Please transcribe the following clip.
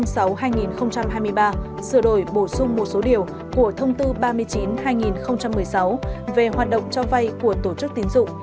sửa đổi bổ sung một số điều của thông tư ba mươi chín hai nghìn một mươi sáu về hoạt động cho vay của tổ chức tín dụng